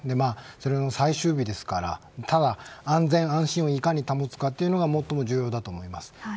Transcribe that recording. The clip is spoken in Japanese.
それの最終日ですから安心安全をいかに保つかが最も重要だと思います。